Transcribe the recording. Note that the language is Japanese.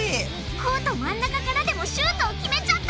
コート真ん中からでもシュートを決めちゃった！